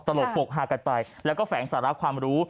ตลกปกฮากันไปแล้วก็แฝงสาระความรู้